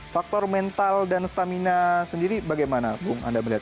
faktor mental dan stamina sendiri bagaimana bung anda melihat